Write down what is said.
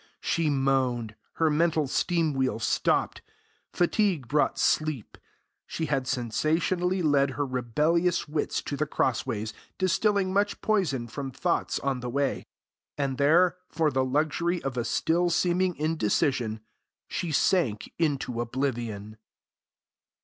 She moaned; her mental steam wheel stopped; fatigue brought sleep. She had sensationally led her rebellious wits to The Crossways, distilling much poison from thoughts on the way; and there, for the luxury of a still seeming indecision, she sank into oblivion.